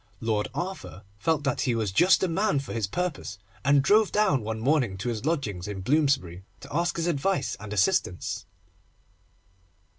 Lord Arthur felt that he was just the man for his purpose, and drove down one morning to his lodgings in Bloomsbury, to ask his advice and assistance.